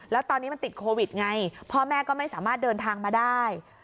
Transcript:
แล้วตอนนี้มันติดโควิดไงพ่อแม่ก็ไม่สามารถเดินทางมาได้